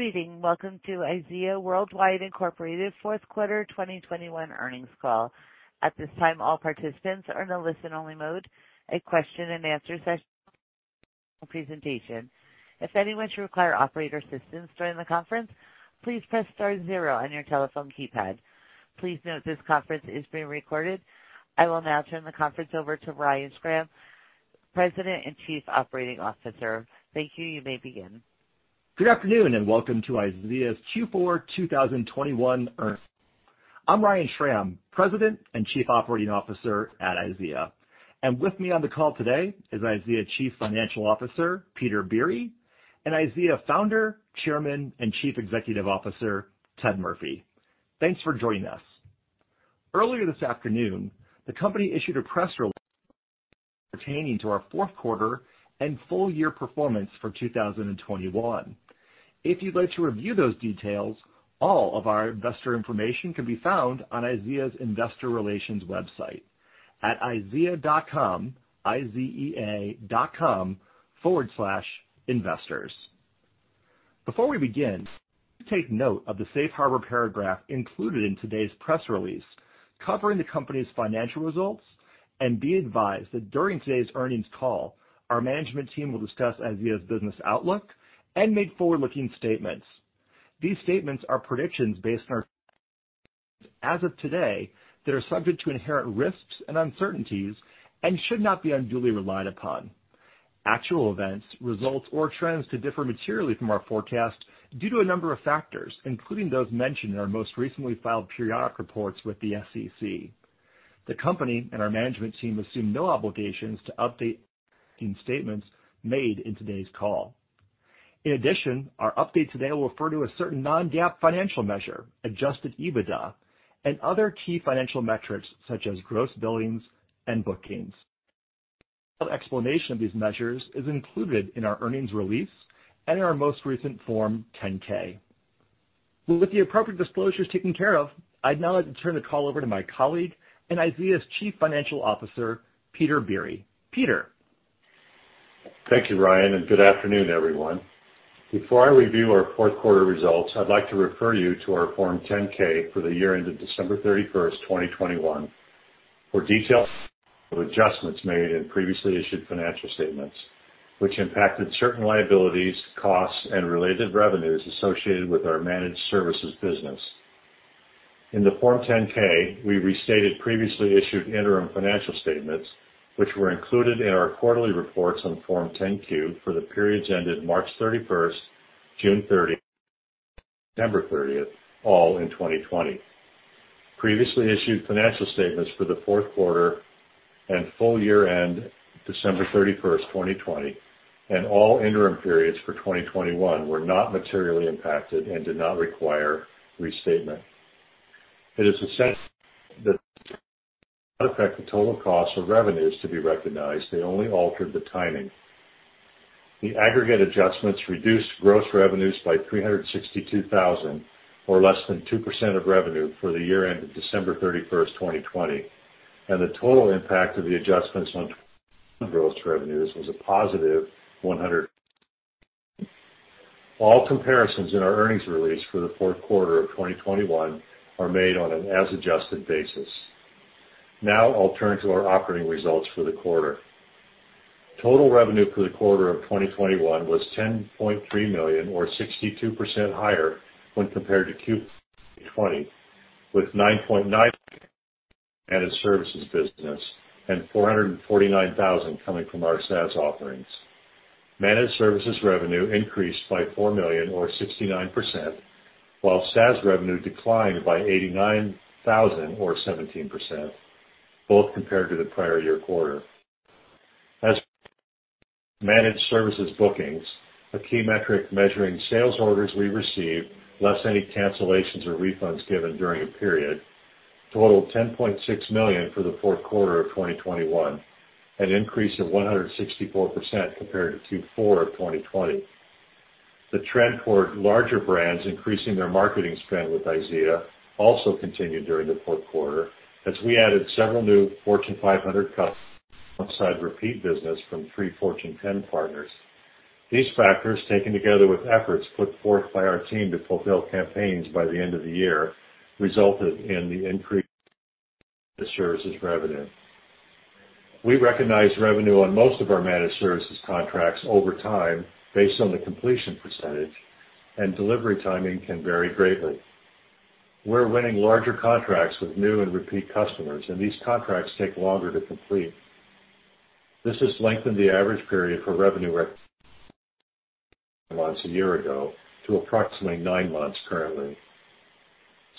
Greetings. Welcome to IZEA Worldwide, Inc.'s fourth quarter 2021 earnings call. At this time, all participants are in a listen-only mode. A Q&A session will follow the presentation. If anyone should require operator assistance during the conference, please press star zero on your telephone keypad. Please note this conference is being recorded. I will now turn the conference over to Ryan Schram, President and Chief Operating Officer. Thank you. You may begin. Good afternoon, and welcome to IZEA's Q4 2021 earnings. I'm Ryan Schram, President and Chief Operating Officer at IZEA. With me on the call today is IZEA Chief Financial Officer, Peter Biere, and IZEA Founder, Chairman, and Chief Executive Officer, Ted Murphy. Thanks for joining us. Earlier this afternoon, the company issued a press release pertaining to our fourth quarter and full year performance for 2021. If you'd like to review those details, all of our investor information can be found on IZEA's Investor Relations website at izea.com, i-z-e-a.com/investors. Before we begin, take note of the safe harbor paragraph included in today's press release covering the company's financial results, and be advised that during today's earnings call, our management team will discuss IZEA's business outlook and make forward-looking statements. These statements are predictions based on our as of today that are subject to inherent risks and uncertainties and should not be unduly relied upon. Actual events, results, or trends could differ materially from our forecast due to a number of factors, including those mentioned in our most recently filed periodic reports with the SEC. The company and our management team assume no obligations to update statements made in today's call. In addition, our update today will refer to a certain non-GAAP financial measure, adjusted EBITDA, and other key financial metrics such as gross billings and bookings. Explanation of these measures is included in our earnings release and in our most recent Form 10-K. With the appropriate disclosures taken care of, I'd now like to turn the call over to my colleague and IZEA's Chief Financial Officer, Peter Biere. Peter. Thank you, Ryan, and good afternoon, everyone. Before I review our fourth quarter results, I'd like to refer you to our Form 10-K for the year ended December 31st, 2021 for detailed adjustments made in previously issued financial statements, which impacted certain liabilities, costs, and related revenues associated with our managed services business. In the Form 10-K, we restated previously issued interim financial statements, which were included in our quarterly reports on Form 10-Q for the periods ended March 31st, June 30th, September 30th, all in 2020. Previously issued financial statements for the fourth quarter and full year ended December 31st, 2020, and all interim periods for 2021 were not materially impacted and did not require restatement. It is assessed that they do not affect the total cost of revenues to be recognized. They only altered the timing. The aggregate adjustments reduced gross revenues by $362,000, or less than 2% of revenue for the year ended December 31st, 2020, and the total impact of the adjustments on gross revenues was a positive $100. All comparisons in our earnings release for the fourth quarter of 2021 are made on an as-adjusted basis. Now I'll turn to our operating results for the quarter. Total revenue for the quarter of 2021 was $10.3 million or 62% higher when compared to Q4 2020, with $9.9 million from our managed services business and $449,000 coming from our SaaS offerings. Managed services revenue increased by $4 million or 69%, while SaaS revenue declined by $89,000 or 17%, both compared to the prior year quarter. Managed services bookings, a key metric measuring sales orders we receive less any cancellations or refunds given during a period, totaled $10.6 million for Q4 2021, an increase of 164% compared to Q4 2020. The trend toward larger brands increasing their marketing spend with IZEA also continued during the fourth quarter as we added several new Fortune 500 customers alongside repeat business from three Fortune 10 partners. These factors, taken together with efforts put forth by our team to fulfill campaigns by the end of the year, resulted in the increase in services revenue. We recognize revenue on most of our managed services contracts over time based on the completion percentage, and delivery timing can vary greatly. We're winning larger contracts with new and repeat customers, and these contracts take longer to complete. This has lengthened the average period for revenue recognition from 6 months a year ago to approximately 9 months currently.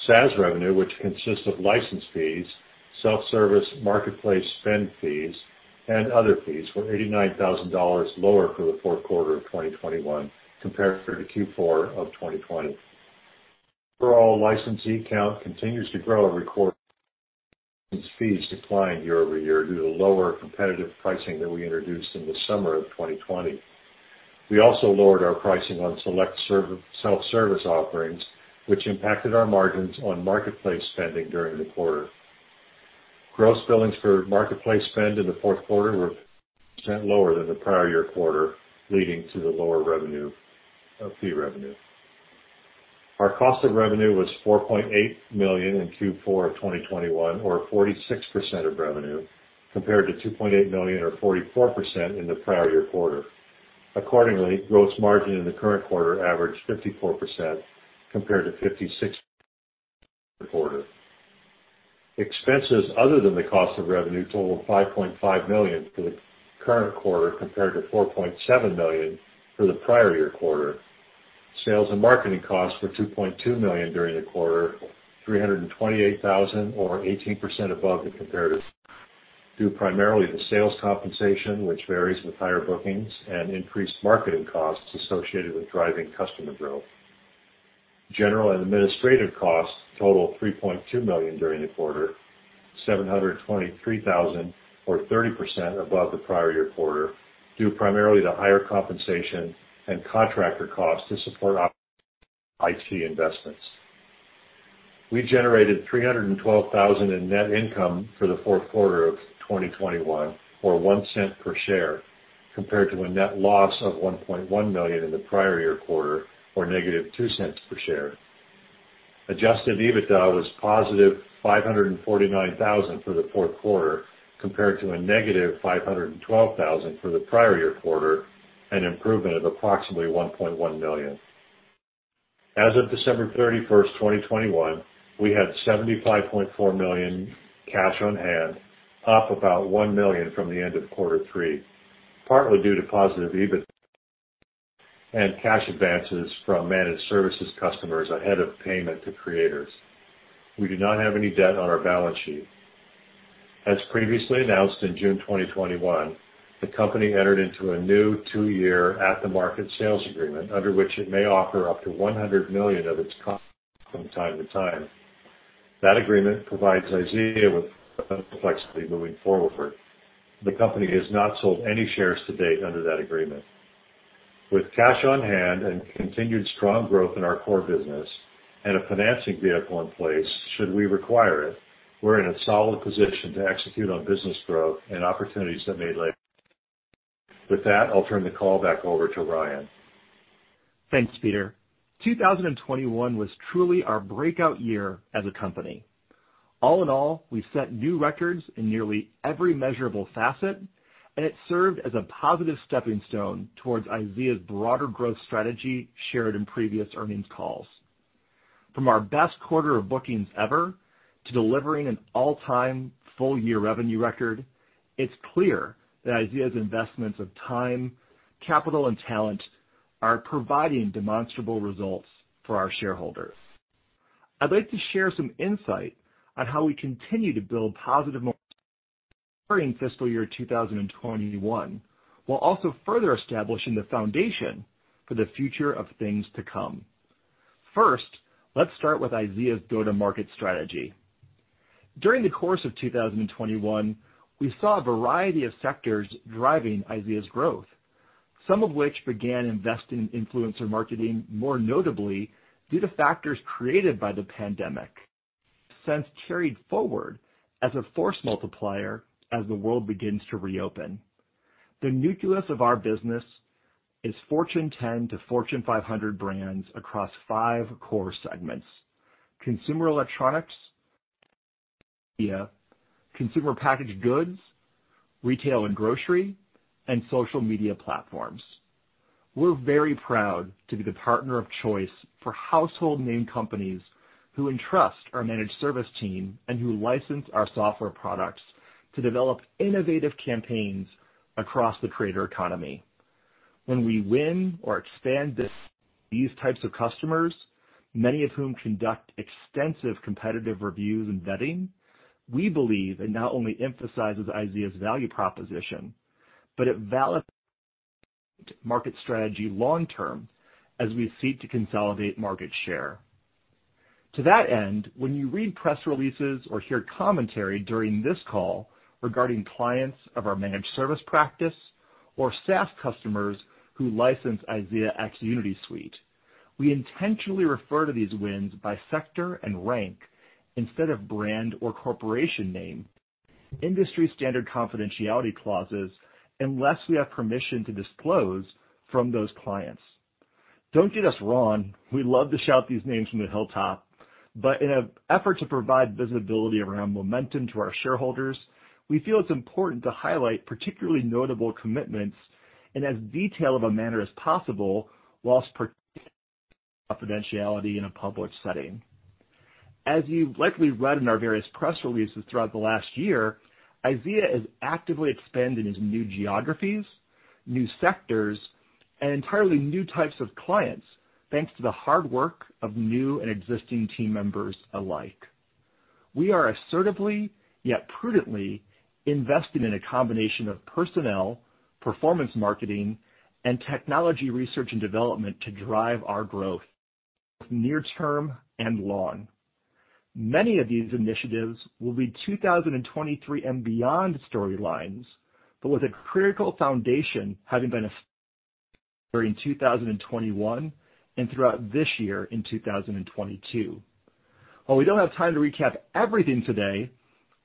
SaaS revenue, which consists of license fees, self-service marketplace spend fees, and other fees, were $89,000 lower for the fourth quarter of 2021 compared to Q4 of 2020. Overall, licensee count continues to grow, but fees declined year-over-year due to lower competitive pricing that we introduced in the summer of 2020. We also lowered our pricing on select self-service offerings, which impacted our margins on marketplace spending during the quarter. Gross billings for marketplace spend in the fourth quarter were % lower than the prior year quarter, leading to the lower fee revenue. Our cost of revenue was $4.8 million in Q4 of 2021 or 46% of revenue, compared to $2.8 million or 44% in the prior year quarter. Accordingly, gross margin in the current quarter averaged 54% compared to 56%. Expenses other than the cost of revenue totaled $5.5 million for the current quarter, compared to $4.7 million for the prior year quarter. Sales and marketing costs were $2.2 million during the quarter, $328,000 or 18% above the comparative, due primarily to sales compensation, which varies with higher bookings and increased marketing costs associated with driving customer growth. General and administrative costs totaled $3.2 million during the quarter, $723,000 or 30% above the prior year quarter, due primarily to higher compensation and contractor costs to support IT investments. We generated $312,000 in net income for the fourth quarter of 2021, or $0.01 per share, compared to a net loss of $1.1 million in the prior year quarter or -$0.02 per share. Adjusted EBITDA was positive $549,000 for the fourth quarter compared to a -s$512,000 for the prior year quarter, an improvement of approximately $1.1 million. As of December 31st, 2021, we had $75.4 million cash on hand, up about $1 million from the end of quarter three, partly due to positive EBIT and cash advances from managed services customers ahead of payment to creators. We do not have any debt on our balance sheet. As previously announced, in June 2021, the company entered into a new two-year at-the-market sales agreement under which it may offer up to $100 million of its common stock from time-to time. That agreement provides IZEA with flexibility moving forward. The company has not sold any shares to date under that agreement. With cash on hand and continued strong growth in our core business and a financing vehicle in place, should we require it, we're in a solid position to execute on business growth and opportunities that may lie. With that, I'll turn the call back over to Ryan. Thanks, Peter. 2021 was truly our breakout year as a company. All in all, we set new records in nearly every measurable facet, and it served as a positive stepping stone towards IZEA's broader growth strategy shared in previous earnings calls. From our best quarter of bookings ever to delivering an all-time full-year revenue record, it's clear that IZEA's investments of time, capital, and talent are providing demonstrable results for our shareholders. I'd like to share some insight on how we continue to build positive momentum during fiscal year 2021, while also further establishing the foundation for the future of things to come. First, let's start with IZEA's go-to-market strategy. During the course of 2021, we saw a variety of sectors driving IZEA's growth, some of which began investing in influencer marketing, more notably due to factors created by the pandemic, since carried forward as a force multiplier as the world begins to reopen. The nucleus of our business is Fortune 10 to Fortune 500 brands across five core segments: consumer electronics, consumer packaged goods, retail and grocery, and social media platforms. We're very proud to be the partner of choice for household name companies who entrust our managed service team and who license our software products to develop innovative campaigns across the creator economy. When we win or expand these types of customers, many of whom conduct extensive competitive reviews and vetting, we believe it not only emphasizes IZEA's value proposition, but it validates our market strategy long term as we seek to consolidate market share. To that end, when you read press releases or hear commentary during this call regarding clients of our managed service practice or SaaS customers who license IZEAx Unity Suite, we intentionally refer to these wins by sector and rank instead of brand or corporation name due to industry standard confidentiality clauses, unless we have permission to disclose from those clients. Don't get us wrong, we love to shout these names from the hilltop. In an effort to provide visibility around momentum to our shareholders, we feel it's important to highlight particularly notable commitments in as detailed of a manner as possible, while protecting confidentiality in a public setting. As you've likely read in our various press releases throughout the last year, IZEA is actively expanding into new geographies, new sectors, and entirely new types of clients, thanks to the hard work of new and existing team members alike. We are assertively, yet prudently, investing in a combination of personnel, performance marketing, and technology research and development to drive our growth near term and long. Many of these initiatives will be 2023 and beyond storylines, but with a critical foundation having been established during 2021 and throughout this year in 2022. While we don't have time to recap everything today,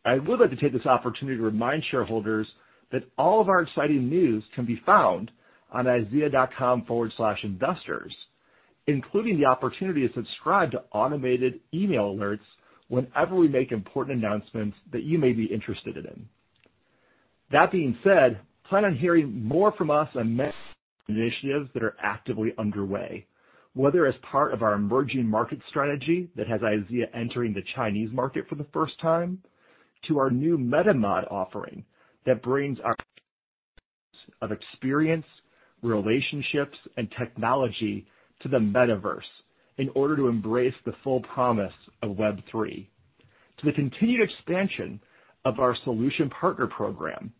I would like to take this opportunity to remind shareholders that all of our exciting news can be found on izea.com/investors, including the opportunity to subscribe to automated email alerts whenever we make important announcements that you may be interested in. That being said, plan on hearing more from us on many initiatives that are actively underway, whether as part of our emerging market strategy that has IZEA entering the Chinese market for the first time, to our new MetaMod offering that brings our depth of experience, relationships and technology to the Metaverse in order to embrace the full promise of Web3, to the continued expansion of our solution partner program,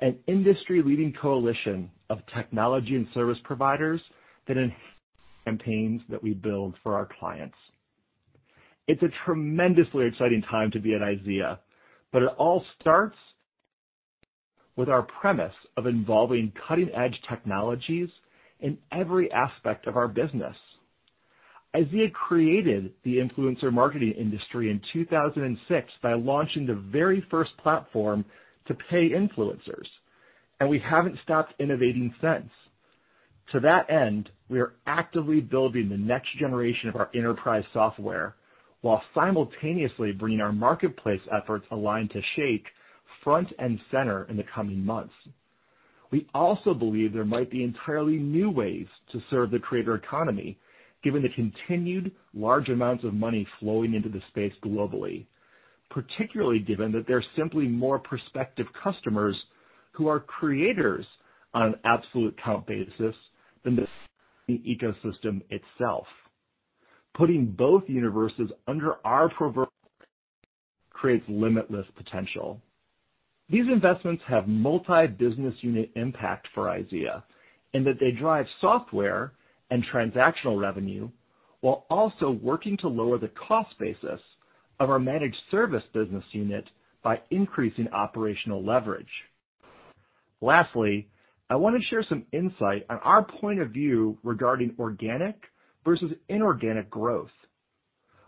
an industry-leading coalition of technology and service providers that enhance campaigns that we build for our clients. It's a tremendously exciting time to be at IZEA. It all starts with our premise of involving cutting-edge technologies in every aspect of our business. IZEA created the influencer marketing industry in 2006 by launching the very first platform to pay influencers, and we haven't stopped innovating since. To that end, we are actively building the next generation of our enterprise software while simultaneously bringing our marketplace efforts aligned to Shake front and center in the coming months. We also believe there might be entirely new ways to serve the creator economy, given the continued large amounts of money flowing into the space globally, particularly given that there are simply more prospective customers who are creators on an absolute count basis than the ecosystem itself. Putting both universes under our proverbial roof creates limitless potential. These investments have multi-business unit impact for IZEA in that they drive software and transactional revenue while also working to lower the cost basis of our managed service business unit by increasing operational leverage. Lastly, I want to share some insight on our point of view regarding organic versus inorganic growth.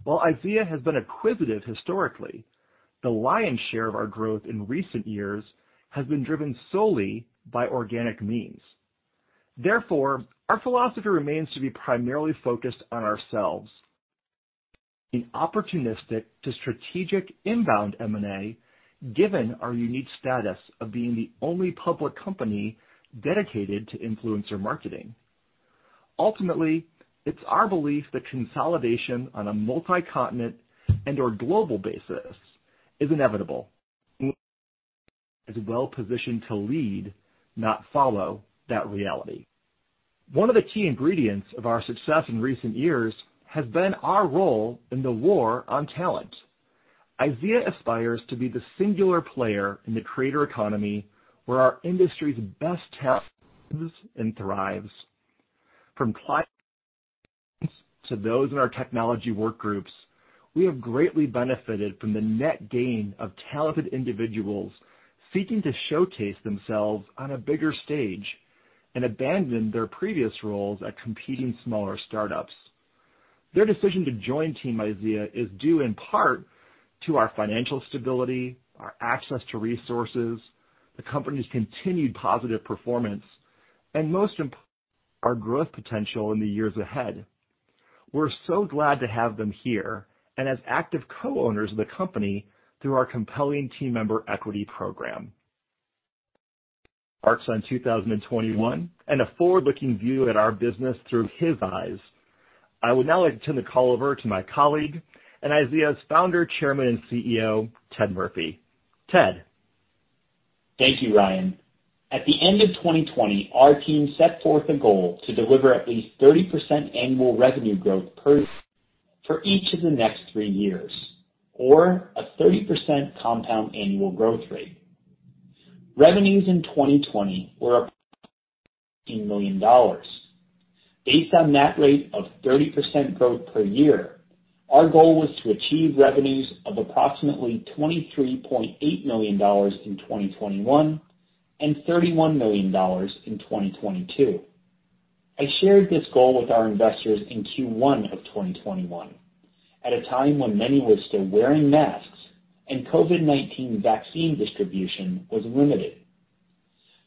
While IZEA has been acquisitive historically, the lion's share of our growth in recent years has been driven solely by organic means. Therefore, our philosophy remains to be primarily focused on ourselves, being opportunistic to strategic inbound M&A, given our unique status of being the only public company dedicated to influencer marketing. Ultimately, it's our belief that consolidation on a multi-continent and/or global basis is inevitable, and we're well positioned to lead, not follow, that reality. One of the key ingredients of our success in recent years has been our role in the war on talent. IZEA aspires to be the singular player in the creator economy, where our industry's best talent thrives. From clients to those in our technology work groups, we have greatly benefited from the net gain of talented individuals seeking to showcase themselves on a bigger stage and abandon their previous roles at competing smaller startups. Their decision to join Team IZEA is due in part to our financial stability, our access to resources, the company's continued positive performance, and most importantly, our growth potential in the years ahead. We're so glad to have them here and as active co-owners of the company through our compelling team member equity program. A recap of 2021 and a forward-looking view of our business through his eyes. I would now like to turn the call over to my colleague and IZEA's founder, chairman, and CEO, Ted Murphy. Ted? Thank you, Ryan. At the end of 2020, our team set forth a goal to deliver at least 30% annual revenue growth for each of the next three years or a 30% compound annual growth rate. Revenues in 2020 were approximately $14 million. Based on that rate of 30% growth per year, our goal was to achieve revenues of approximately $23.8 million in 2021 and $31 million in 2022. I shared this goal with our investors in Q1 of 2021, at a time when many were still wearing masks and COVID-19 vaccine distribution was limited.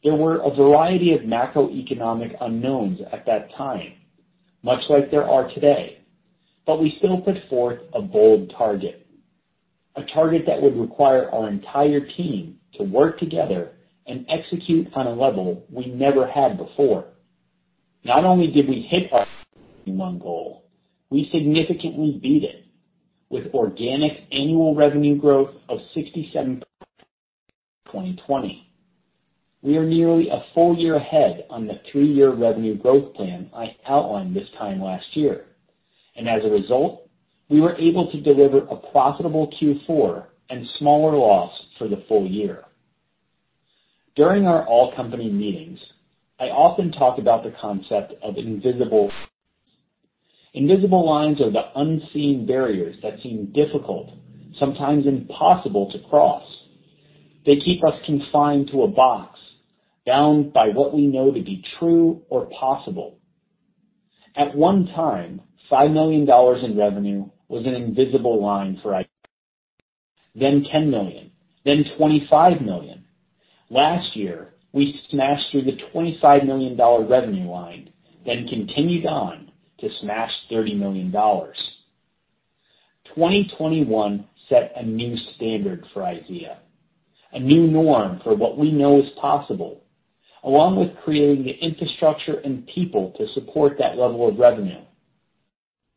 There were a variety of macroeconomic unknowns at that time, much like there are today. We still put forth a bold target, a target that would require our entire team to work together and execute on a level we never had before. Not only did we hit our 2021 goal, we significantly beat it with organic annual revenue growth of 67% in 2020. We are nearly a full year ahead on the three-year revenue growth plan I outlined this time last year. As a result, we were able to deliver a profitable Q4 and smaller loss for the full year. During our all-company meetings, I often talk about the concept of invisible lines are the unseen barriers that seem difficult, sometimes impossible, to cross. They keep us confined to a box, bound by what we know to be true or possible. At one time, $5 million in revenue was an invisible line for IZEA, then $10 million, then $25 million. Last year, we smashed through the $25 million revenue line, then continued on to smash $30 million. 2021 set a new standard for IZEA, a new norm for what we know is possible, along with creating the infrastructure and people to support that level of revenue.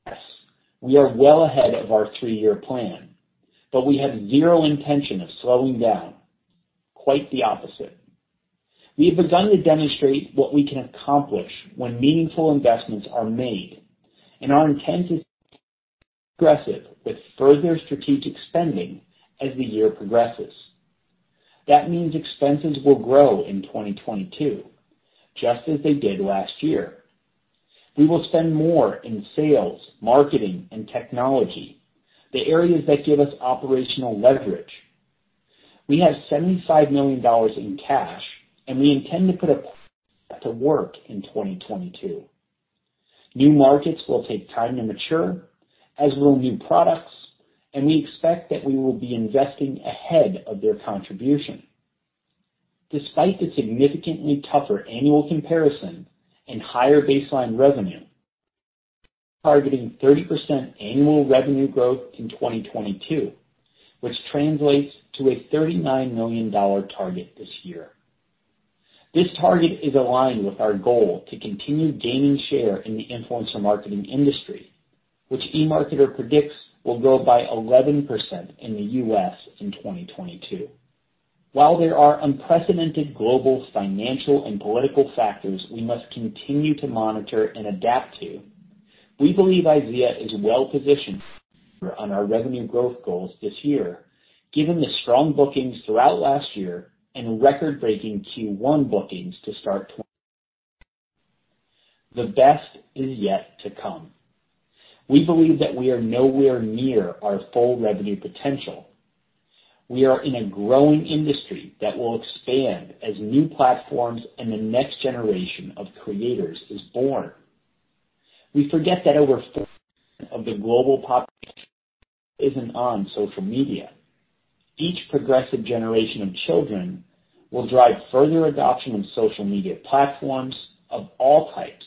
Yes, we are well ahead of our 3-year plan, but we have zero intention of slowing down. Quite the opposite. We have begun to demonstrate what we can accomplish when meaningful investments are made, and our intent is aggressive with further strategic spending as the year progresses. That means expenses will grow in 2022, just as they did last year. We will spend more in sales, marketing, and technology, the areas that give us operational leverage. We have $75 million in cash, and we intend to put that to work in 2022. New markets will take time to mature as will new products, and we expect that we will be investing ahead of their contribution. Despite the significantly tougher annual comparison and higher baseline revenue, targeting 30% annual revenue growth in 2022, which translates to a $39 million target this year. This target is aligned with our goal to continue gaining share in the influencer marketing industry, which eMarketer predicts will grow by 11% in the U.S. in 2022. While there are unprecedented global financial and political factors we must continue to monitor and adapt to, we believe IZEA is well positioned on our revenue growth goals this year, given the strong bookings throughout last year and record-breaking Q1 bookings to start. The best is yet to come. We believe that we are nowhere near our full revenue potential. We are in a growing industry that will expand as new platforms and the next generation of creators is born. We forget that over half of the global population isn't on social media. Each progressive generation of children will drive further adoption of social media platforms of all types,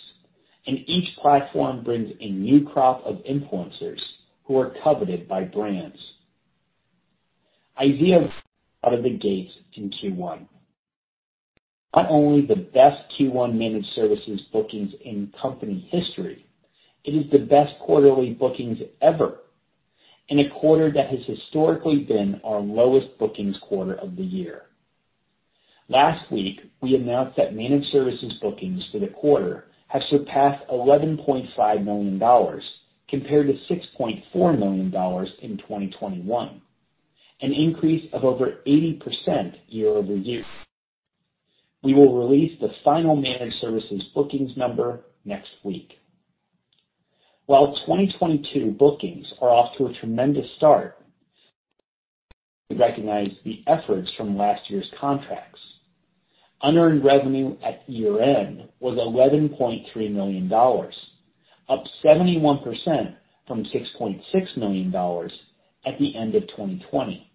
and each platform brings a new crop of influencers who are coveted by brands. IZEA came out of the gates in Q1, not only the best Q1 managed services bookings in company history, it is the best quarterly bookings ever in a quarter that has historically been our lowest bookings quarter of the year. Last week, we announced that managed services bookings for the quarter have surpassed $11.5 million compared to $6.4 million in 2021, an increase of over 80% year-over-year. We will release the final managed services bookings number next week. While 2022 bookings are off to a tremendous start, recognize the efforts from last year's contracts. Unearned revenue at year-end was $11.3 million, up 71% from $6.6 million at the end of 2020.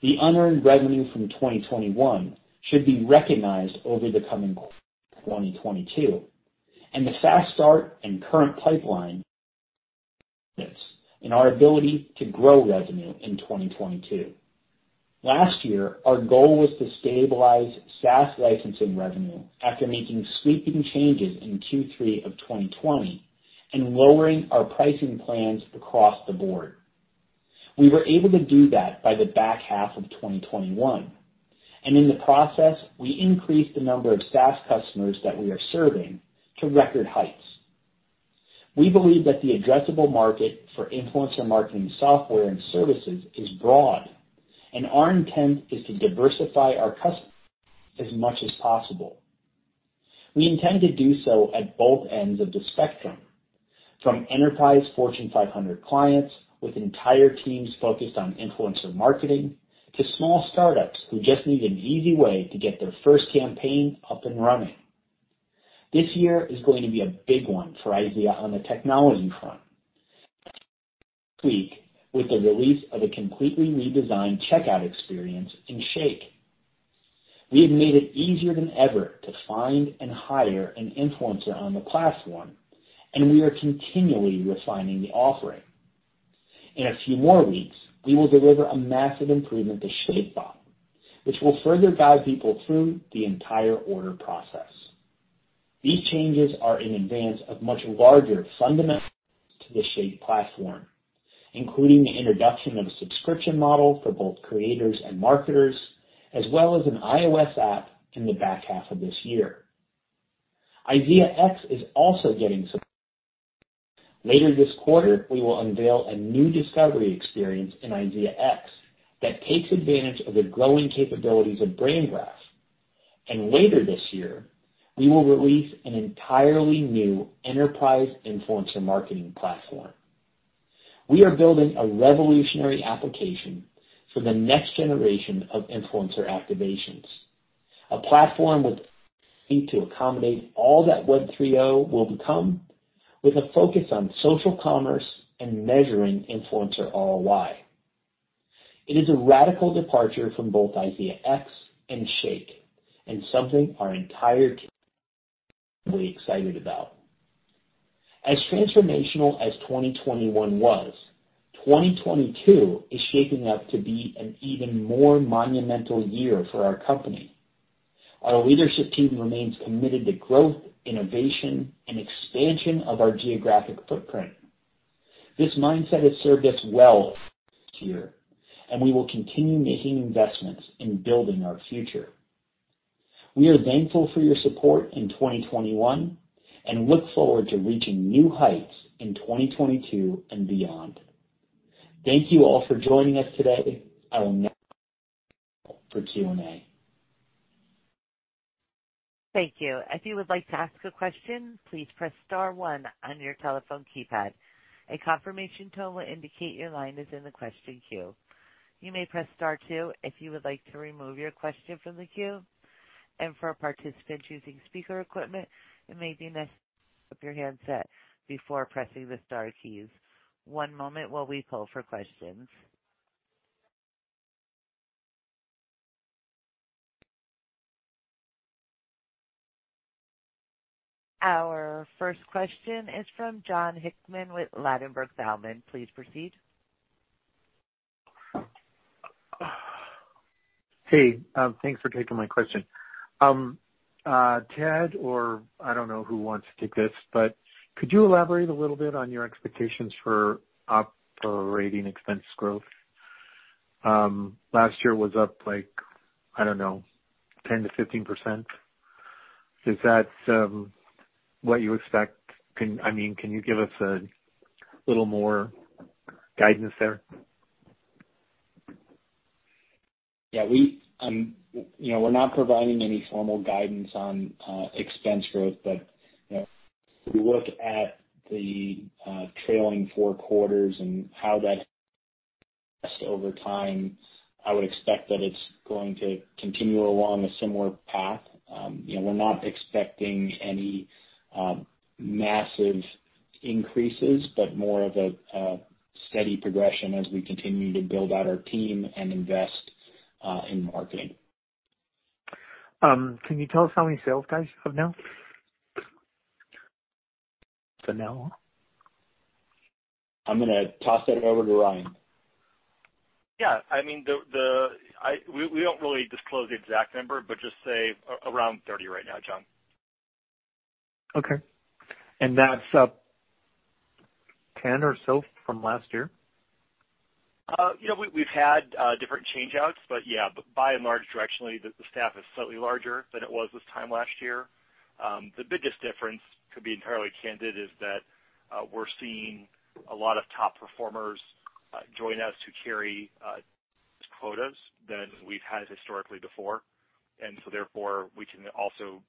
The unearned revenue from 2021 should be recognized over the coming 2022, and the fast start and current pipeline and our ability to grow revenue in 2022. Last year, our goal was to stabilize SaaS licensing revenue after making sweeping changes in Q3 of 2020 and lowering our pricing plans across the board. We were able to do that by the back half of 2021, and in the process, we increased the number of SaaS customers that we are serving to record heights. We believe that the addressable market for influencer marketing software and services is broad, and our intent is to diversify our customers as much as possible. We intend to do so at both ends of the spectrum, from enterprise Fortune 500 clients with entire teams focused on influencer marketing, to small start-ups who just need an easy way to get their first campaign up and running. This year is going to be a big one for IZEA on the technology front, with the release of a completely redesigned checkout experience in Shake. We have made it easier than ever to find and hire an influencer on the platform, and we are continually refining the offering. In a few more weeks, we will deliver a massive improvement to ShakeBot, which will further guide people through the entire order process. These changes are in advance of much larger fundamentals to the Shake platform, including the introduction of a subscription model for both creators and marketers, as well as an iOS app in the back half of this year. IZEAx is also getting support. Later this quarter, we will unveil a new discovery experience in IZEAx that takes advantage of the growing capabilities of BrandGraph. Later this year, we will release an entirely new enterprise influencer marketing platform. We are building a revolutionary application for the next generation of influencer activations. A platform to accommodate all that Web 3.0 will become with a focus on social commerce and measuring influencer ROI. It is a radical departure from both IZEAx and Shake, and something our entire team is incredibly excited about. As transformational as 2021 was, 2022 is shaping up to be an even more monumental year for our company. Our leadership team remains committed to growth, innovation, and expansion of our geographic footprint. This mindset has served us well this year, and we will continue making investments in building our future. We are thankful for your support in 2021 and look forward to reaching new heights in 2022 and beyond. Thank you all for joining us today. I will now turn it over for Q&A. Our first question is from Jon Hickman with Ladenburg Thalmann. Please proceed. Hey, thanks for taking my question. Ted, or I don't know who wants to take this, but could you elaborate a little bit on your expectations for operating expense growth? Last year was up like, I don't know, 10%-15%. Is that what you expect? I mean, can you give us a little more guidance there? Yeah. We, you know, we're not providing any formal guidance on, expense growth. You know, if we look at the, trailing four quarters and how that's over time, I would expect that it's going to continue along a similar path. You know, we're not expecting any, massive increases, but more of a, steady progression as we continue to build out our team and invest, in marketing. Can you tell us how many sales guys you have now? I'm gonna toss that over to Ryan. Yeah, I mean, we don't really disclose the exact number, but just say around 30 right now, John. Okay. That's up 10 or so from last year? You know, we've had different changeouts, but yeah, by and large, directionally, the staff is slightly larger than it was this time last year. The biggest difference, to be entirely candid, is that we're seeing a lot of top performers join us who carry higher quotas than we've had historically before. Therefore, we can also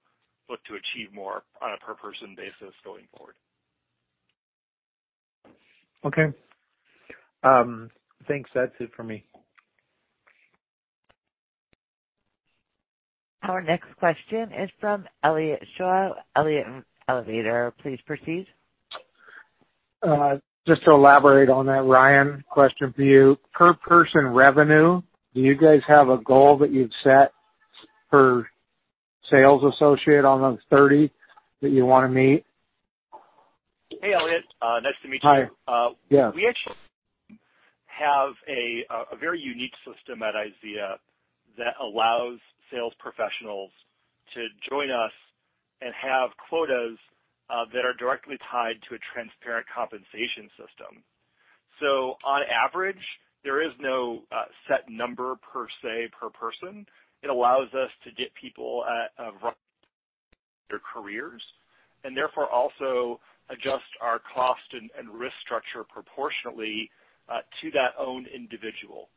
look to achieve more on a per person basis going forward. Okay. Thanks. That's it for me. Our next question is from Elliot Shaw, Elliott Elevator. Please proceed. Just to elaborate on that, Ryan, question for you. Per person revenue, do you guys have a goal that you've set for sales associate on those 30 that you wanna meet? Hey, Elliot. Nice to meet you. Hi. Yeah. We actually have a very unique system at IZEA that allows sales professionals to join us and have quotas that are directly tied to a transparent compensation system. On average, there is no set number per se, per person. It allows us to get people at various stages of their careers, and therefore also adjust our cost and risk structure proportionately to their own individual.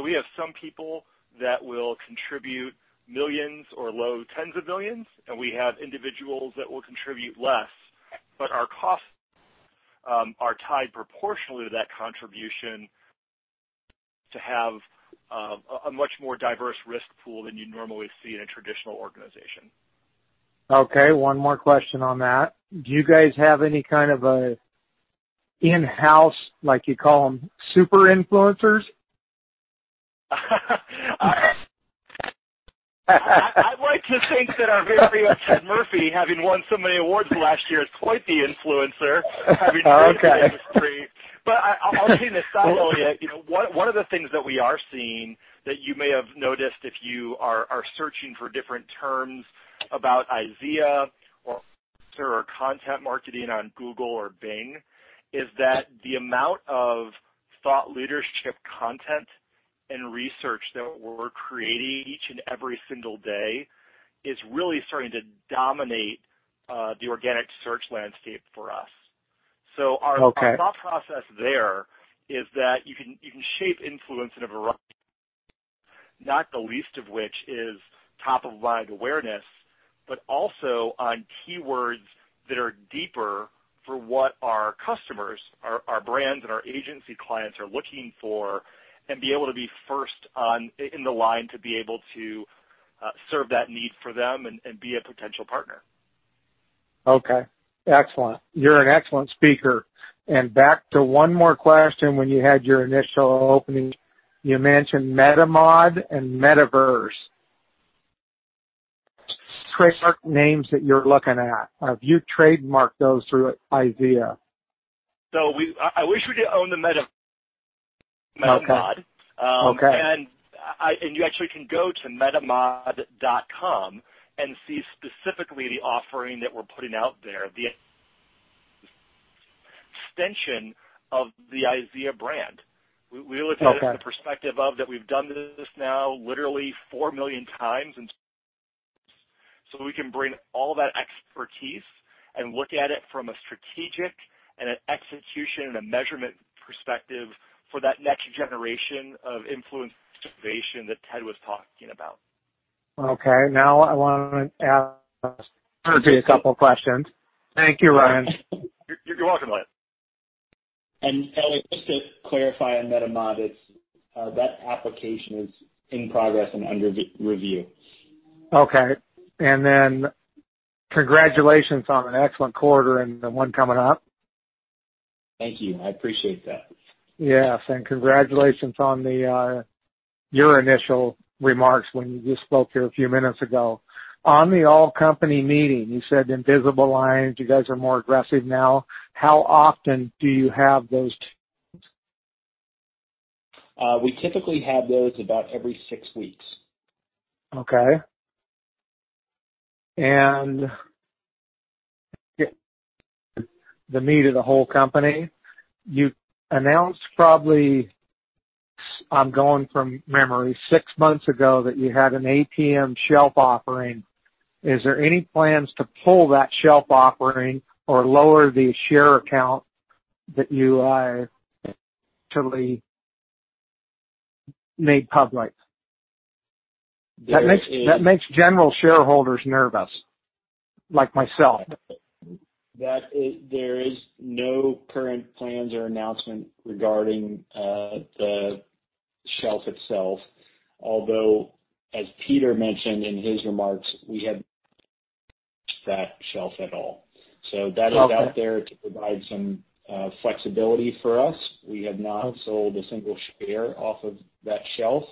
We have some people that will contribute millions or low tens of millions, and we have individuals that will contribute less, but our costs are tied proportionally to that contribution to have a much more diverse risk pool than you'd normally see in a traditional organization. Okay, one more question on that. Do you guys have any kind of a in-house, like you call them, super influencers? I'd like to think that our very own Ted Murphy, having won so many awards last year, is quite the influencer, having joined the industry. Oh, okay. I'll say this, though, Elliot, you know, one of the things that we are seeing that you may have noticed if you are searching for different terms about IZEA or content marketing on Google or Bing is that the amount of thought leadership content and research that we're creating each and every single day is really starting to dominate the organic search landscape for us. Okay. Our thought process there is that you can shape influence in a variety, not the least of which is top of mind awareness, but also on keywords that are deeper for what our customers, our brands and our agency clients are looking for and be able to be first in the line to be able to serve that need for them and be a potential partner. Okay. Excellent. You're an excellent speaker. Back to one more question when you had your initial opening, you mentioned MetaMod and Metaverse. Trademark names that you're looking at. Have you trademarked those through IZEA? I wish we could own the MetaMod. Okay. Um. Okay. you actually can go to metamod.com and see specifically the offering that we're putting out there, the extension of the IZEA brand. We look at it Okay. From the perspective that we've done this now literally four million times. We can bring all that expertise and look at it from a strategic and an execution and a measurement perspective for that next generation of influencer conversation that Ted was talking about. Okay, now I wanna ask a couple questions. Thank you, Ryan. You're welcome, Elliot. Kelly, just to clarify on MetaMod, it's that application is in progress and under re-review. Okay. Congratulations on an excellent quarter and the one coming up. Thank you. I appreciate that. Yes. Congratulations on your initial remarks when you just spoke here a few minutes ago. On the all-company meeting, you said invisible lines, you guys are more aggressive now. How often do you have those? We typically have those about every six weeks. Okay. The meat of the whole company, you announced probably, I'm going from memory, six months ago that you had an ATM shelf offering. Is there any plans to pull that shelf offering or lower the total share count made public? There is- That makes general shareholders nervous like myself. There is no current plans or announcement regarding the shelf itself, although as Peter mentioned in his remarks, we have that shelf at all. Okay. That is out there to provide some flexibility for us. We have not sold a single share off of that shelf.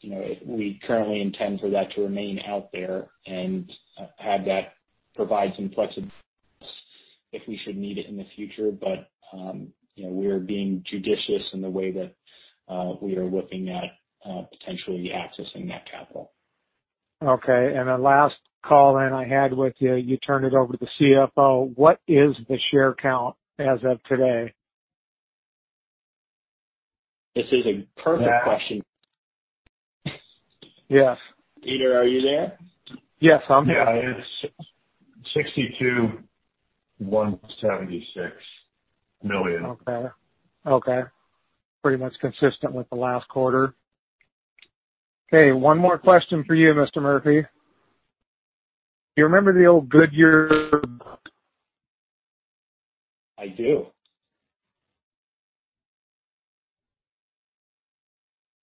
You know, we currently intend for that to remain out there and have that provide some flexibility if we should need it in the future. You know, we are being judicious in the way that we are looking at potentially accessing that capital. Okay. The last call then I had with you turned it over to the CFO. What is the share count as of today? This is a perfect question. Yes. Peter, are you there? Yes, I'm here. Yeah. It's $62.176 million. Okay. Pretty much consistent with the last quarter. Okay, one more question for you, Mr. Murphy. Do you remember the old Goodyear? I do.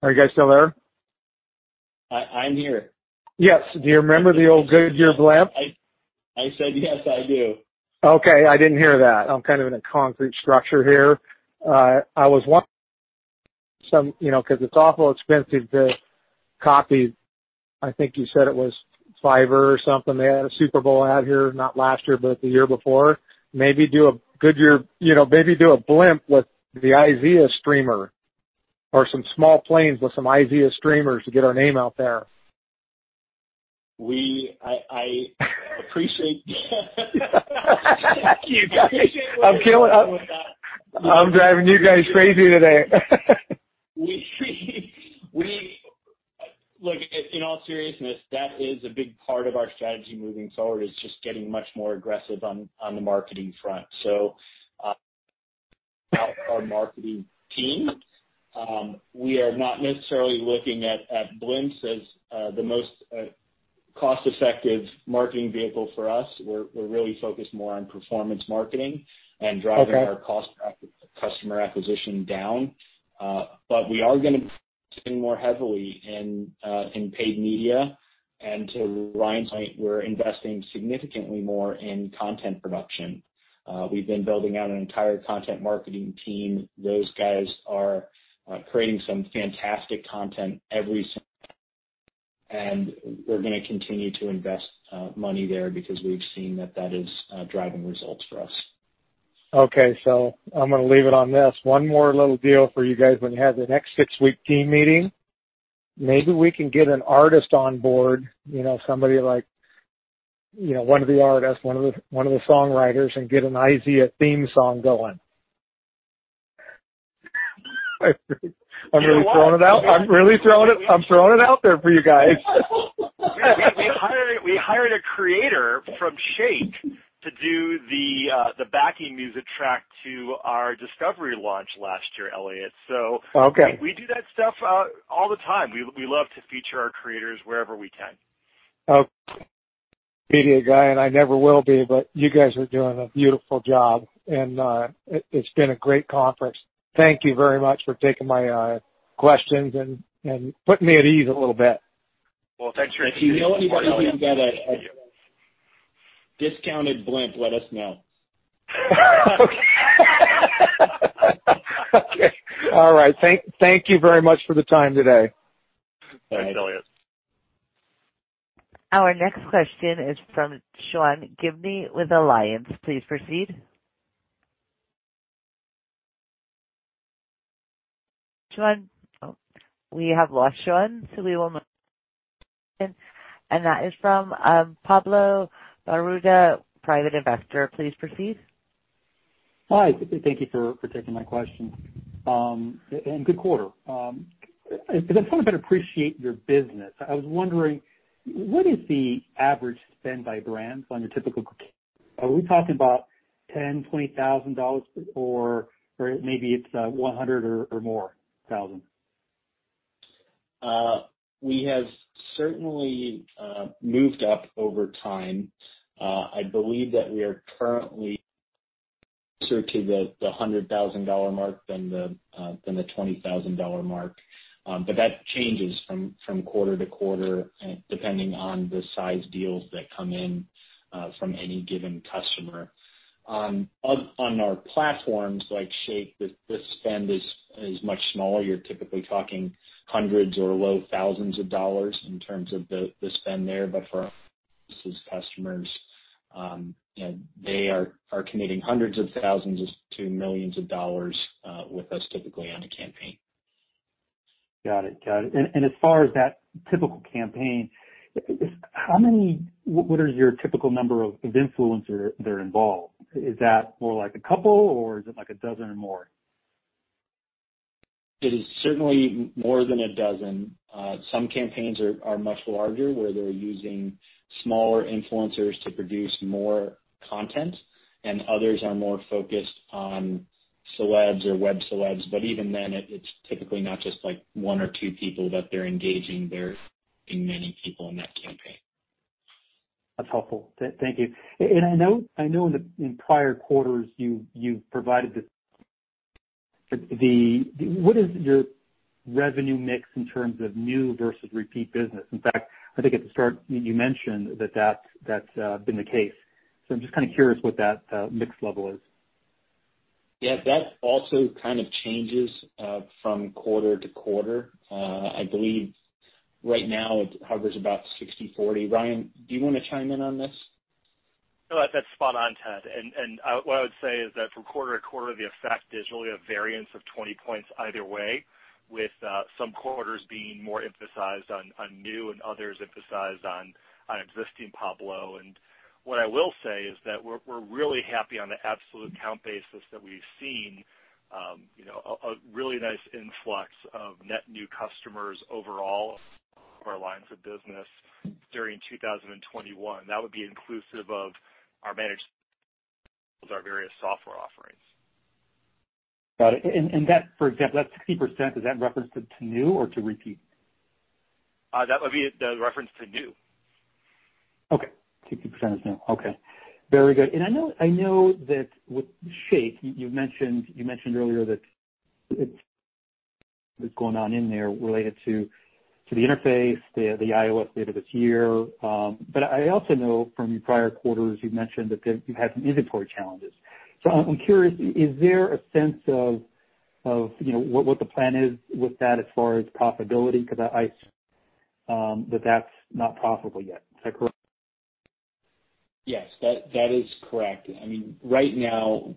Are you guys still there? I'm here. Yes. Do you remember the old Goodyear blimp? I said, yes, I do. Okay. I didn't hear that. I'm kind of in a concrete structure here. I was wondering. You know, because it's awful expensive to copy, I think you said it was Fiverr or something. They had a Super Bowl ad here, not last year, but the year before. Maybe do a Goodyear, you know, maybe do a blimp with the IZEA streamer or some small planes with some IZEA streamers to get our name out there. I appreciate. I'm driving you guys crazy today. Look, in all seriousness, that is a big part of our strategy moving forward, is just getting much more aggressive on the marketing front. Our marketing team, we are not necessarily looking at blimps as the most cost-effective marketing vehicle for us. We're really focused more on performance marketing. Okay. driving our customer acquisition down. We are gonna spend more heavily in paid media. To Ryan's point, we're investing significantly more in content production. We've been building out an entire content marketing team. Those guys are creating some fantastic content every single, and we're gonna continue to invest money there because we've seen that is driving results for us. Okay, I'm gonna leave it on this. One more little deal for you guys when you have the next six-week team meeting, maybe we can get an artist on board, you know, somebody like, you know, one of the artists, one of the songwriters, and get an IZEA theme song going. I'm throwing it out there for you guys. We hired a creator from Shake to do the backing music track to our discovery launch last year, Elliot. Okay. We do that stuff all the time. We love to feature our creators wherever we can. Okay. Media guy, and I never will be, but you guys are doing a beautiful job and, it's been a great conference. Thank you very much for taking my questions and putting me at ease a little bit. Well, thanks for If you know anybody who can get a discounted blimp, let us know. Okay. All right. Thank you very much for the time today. Thanks, Elliot. Our next question is from Sean Gibney with Alliant. Please proceed. Sean? Oh, we have lost Sean, so we will move on. That is from Pablo Arruda, private investor. Please proceed. Hi, thank you for taking my question. Good quarter. I just want to better appreciate your business. I was wondering, what is the average spend by brands on your typical, are we talking about $10,000, $20,000 or maybe it's $100,000 or more? We have certainly moved up over time. I believe that we are currently closer to the $100,000 mark than the $20,000 mark. That changes from quarter-to-quarter, depending on the size deals that come in from any given customer. On our platforms like Shake, the spend is much smaller. You're typically talking hundreds or low thousands of dollars in terms of the spend there. For our customers, you know, they are committing hundreds of thousands to millions of dollars with us typically on a campaign. Got it. As far as that typical campaign, what is your typical number of influencers that are involved? Is that more like a couple or is it like a dozen or more? It is certainly more than a dozen. Some campaigns are much larger, where they're using smaller influencers to produce more content, and others are more focused on celebs or web celebs. Even then, it's typically not just like one or two people that they're engaging. They're engaging many people in that campaign. That's helpful. Thank you. I know in the prior quarters you provided. What is your revenue mix in terms of new versus repeat business? In fact, I think at the start you mentioned that that's been the case. I'm just kind of curious what that mix level is. Yeah, that also kind of changes from quarter-to-quarter. I believe right now it hovers about 60/40. Ryan, do you want to chime in on this? No, that's spot on, Ted. What I would say is that from quarter-to-quarter, the effect is really a variance of 20 points either way, with some quarters being more emphasized on new and others emphasized on existing, Pablo. What I will say is that we're really happy on the absolute count basis that we've seen, you know, a really nice influx of net new customers overall our lines of business during 2021. That would be inclusive of our managed and our various software offerings. Got it. That for example, that 60%, is that in reference to new or to repeat? That would be the reference to new. Okay. 60% is new. Okay. Very good. I know that with Shake you mentioned earlier that it's going on in there related to the interface, the iOS later this year. But I also know from your prior quarters you've mentioned that you've had some inventory challenges. I'm curious, is there a sense of you know what the plan is with that as far as profitability? Because that's not profitable yet. Is that correct? Yes, that is correct. I mean, right now,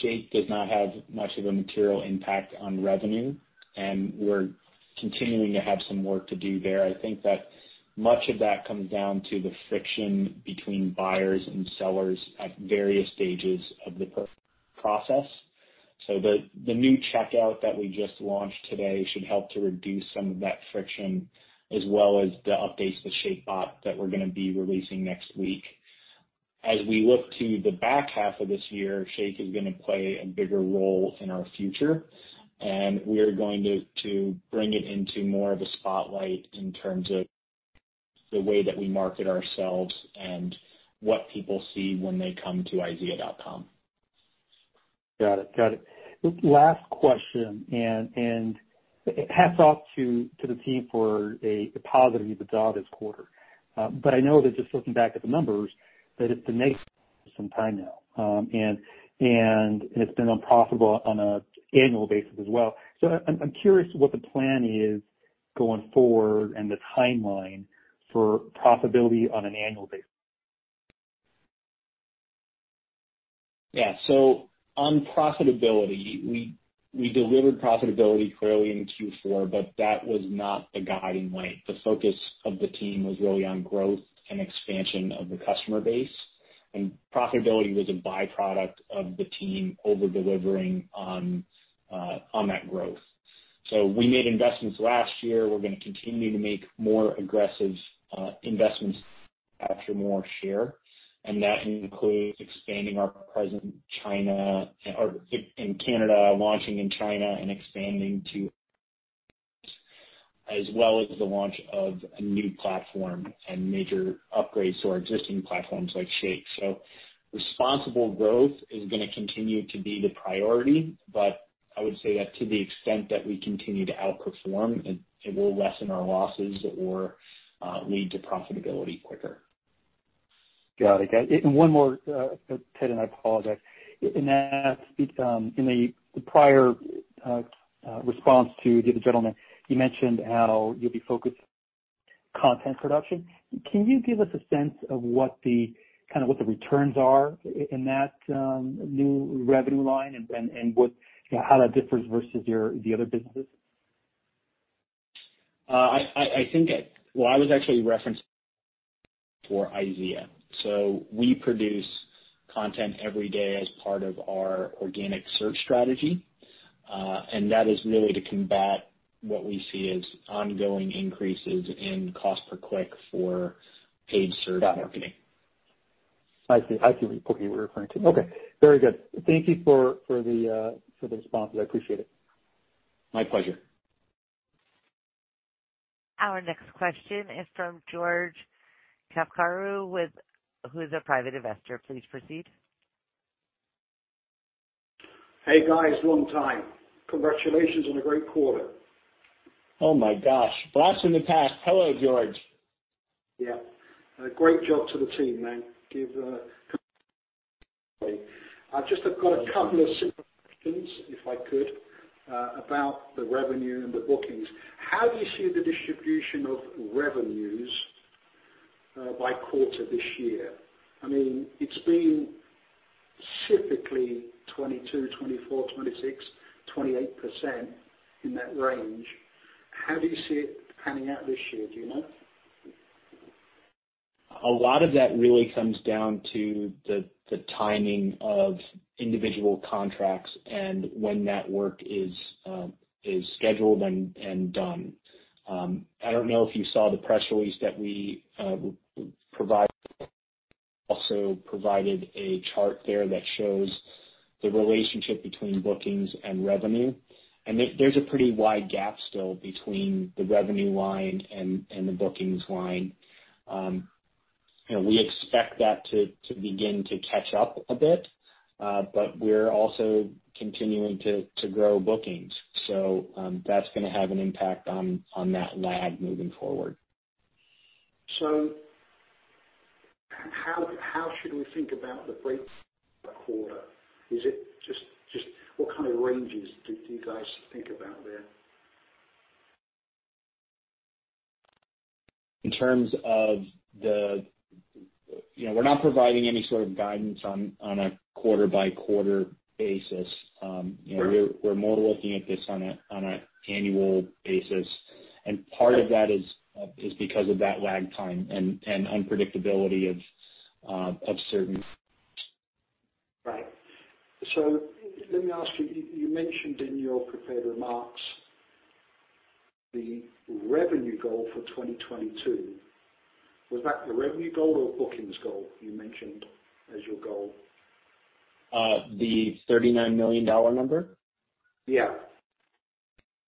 Shake does not have much of a material impact on revenue, and we're continuing to have some work to do there. I think that much of that comes down to the friction between buyers and sellers at various stages of the process. The new checkout that we just launched today should help to reduce some of that friction, as well as the updates to ShakeBot that we're gonna be releasing next week. As we look to the back half of this year, Shake is gonna play a bigger role in our future, and we are going to bring it into more of a spotlight in terms of the way that we market ourselves and what people see when they come to izea.com. Got it. Last question, hats off to the team for a positive EBITDA this quarter. But I know that just looking back at the numbers that it's been negative for some time now. It's been unprofitable on an annual basis as well. I'm curious what the plan is going forward and the timeline for profitability on an annual basis. Yeah. On profitability, we delivered profitability clearly in Q4, but that was not the guiding light. The focus of the team was really on growth and expansion of the customer base. Profitability was a byproduct of the team over-delivering on that growth. We made investments last year. We're gonna continue to make more aggressive investments to capture more share, and that includes expanding our presence in China and in Canada, launching in China and expanding there as well as the launch of a new platform and major upgrades to our existing platforms like Shake. Responsible growth is gonna continue to be the priority, but I would say that to the extent that we continue to outperform, it will lessen our losses or lead to profitability quicker. Got it. One more, Ted, and I apologize. In that, in the prior response to the other gentleman, you mentioned how you'll be focused on content production. Can you give us a sense of what kind of returns are in that new revenue line and how that differs versus your other businesses? I was actually referencing for IZEA. We produce content every day as part of our organic search strategy, and that is really to combat what we see as ongoing increases in cost per click for paid search marketing. I see. I see what point you were referring to. Okay, very good. Thank you for the responses. I appreciate it. My pleasure. Our next question is from George Kafkarou who's a private investor. Please proceed. Hey, guys. Long time. Congratulations on a great quarter. Oh my gosh. Blast from the past. Hello, George. Yeah. Great job to the team, man. I've just got a couple of simple questions, if I could, about the revenue and the bookings. How do you see the distribution of revenues by quarter this year? I mean, it's been typically 22%, 24%, 26%, 28%, in that range. How do you see it panning out this year? Do you know? A lot of that really comes down to the timing of individual contracts and when that work is scheduled and done. I don't know if you saw the press release that we provided. Also provided a chart there that shows the relationship between bookings and revenue. There's a pretty wide gap still between the revenue line and the bookings line. You know, we expect that to begin to catch up a bit, but we're also continuing to grow bookings. That's gonna have an impact on that lag moving forward. How should we think about the break quarter? Is it just what kind of ranges do you guys think about there? You know, we're not providing any sort of guidance on a quarter-by-quarter basis. You know Sure. We're more looking at this on an annual basis. Part of that is because of that lag time and unpredictability of certain. Right. Let me ask you mentioned in your prepared remarks the revenue goal for 2022. Was that the revenue goal or bookings goal you mentioned as your goal? The $39 million number? Yeah.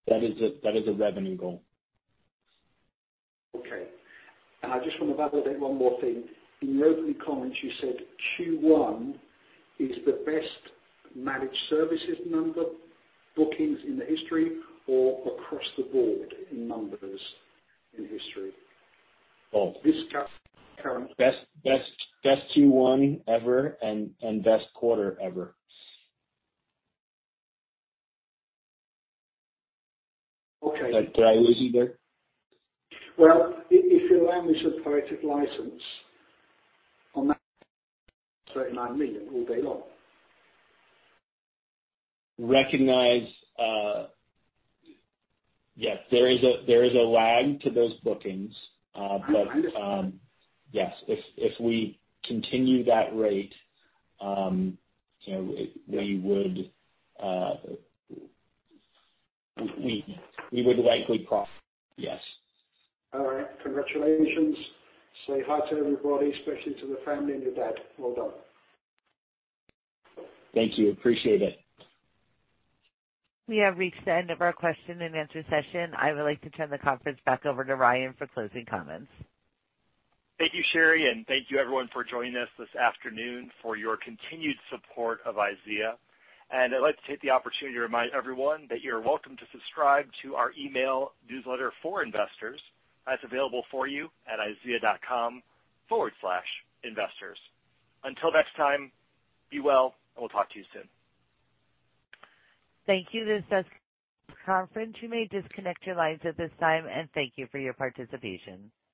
That is a revenue goal. Okay. I just wanna validate one more thing. In your opening comments, you said Q1 is the best managed services number bookings in the history or across the board in numbers in history? Both. Discuss currently. Best Q1 ever and best quarter ever. Okay. Did I lose you there? Well, if you allow me to take creative license on that $39 million all day long. Yes, there is a lag to those bookings. Yes, if we continue that rate, you know, we would likely cross. All right. Congratulations. Say hi to everybody, especially to the family and your dad. Well done. Thank you. Appreciate it. We have reached the end of our question and answer session. I would like to turn the conference back over to Ryan for closing comments. Thank you, Sherry, and thank you everyone for joining us this afternoon, for your continued support of IZEA. I'd like to take the opportunity to remind everyone that you're welcome to subscribe to our email newsletter for investors. That's available for you at izea.com/investors. Until next time, be well, and we'll talk to you soon. Thank you. This does end the conference. You may disconnect your lines at this time, and thank you for your participation.